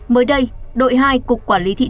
mới đây đội hai cục quản lý thị trưởng